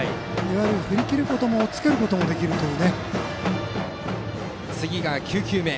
振り切ることもおっつけることもできるという。